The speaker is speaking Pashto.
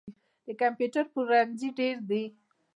د کمپیوټر پلورنځي ډیر دي